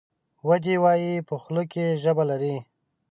ودي وایي ! په خوله کې ژبه لري .